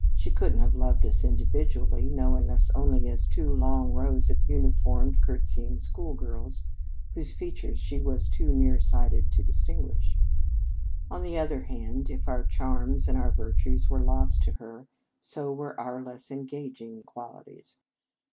She could n t have loved us individually, knowing us only as two long rows of uniformed, curtsying schoolgirls, whose features she was too near sighted to distinguish. On the other hand, if our charms and our virtues were lost to her, so were our less engaging qualities.